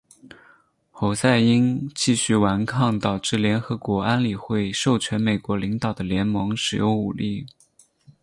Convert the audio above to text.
侯赛因继续顽抗导致联合国安理会授权美国领导的联盟使用武力。